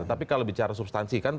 tapi kalau bicara substansi kan